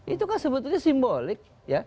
itu kan sebetulnya simbolik